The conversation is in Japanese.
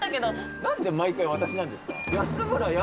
なんで毎回私なんですか？